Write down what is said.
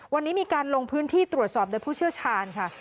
วันนี้มีการลงพื้นที่ตรวจสอบโดยผู้เชี่ยวชาญค่ะ